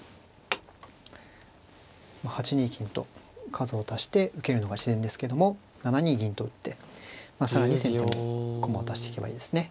８二金と数を足して受けるのが自然ですけども７二銀と打って更に先手も駒を足していけばいいですね。